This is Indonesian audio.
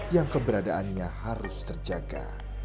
yang keberadaannya harus terjaga